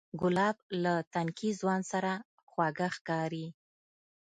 ګلاب له تنکي ځوان سره خواږه ښکاري.